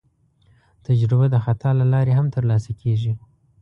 تجربه د خطا له لارې هم ترلاسه کېږي.